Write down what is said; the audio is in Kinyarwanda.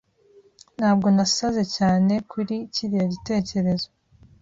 Ntabwo nasaze cyane kuri kiriya gitekerezo.